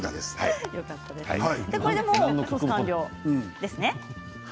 これでソース完了ですね。